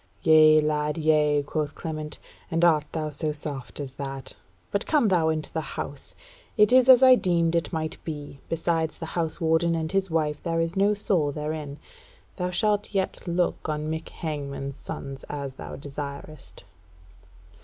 "Yea lad, yea," quoth Clement, "and art thou so soft as that? But come thou into the House; it is as I deemed it might be; besides the House warden and his wife there is no soul therein. Thou shalt yet look on Mick Hangman's sons, as thou desirest."